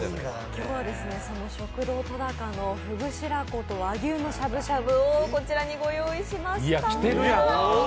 今日はその食堂とだかのフグ白子と和牛のしゃぶしゃぶをこちらにご用意しました。